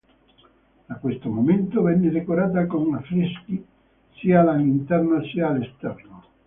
Da questo momento venne decorata con affreschi sia all'interno sia all'esterno.